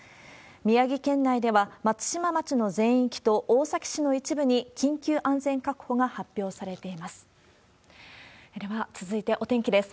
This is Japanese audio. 宮城県内では、松島町の全域と大崎市の一部に、緊急安全確保が発表されています。